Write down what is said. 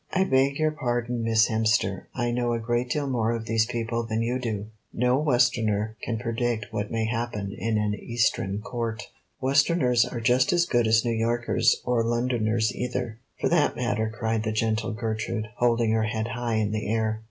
"I beg your pardon, Miss Hemster, I know a great deal more of these people than you do. No Westerner can predict what may happen in an Eastern Court." "Westerners are just as good as New Yorkers, or Londoners either, for that matter," cried the gentle Gertrude, holding her head high in the air.